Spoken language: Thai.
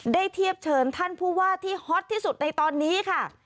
เทียบเชิญท่านผู้ว่าที่ฮอตที่สุดในตอนนี้ค่ะ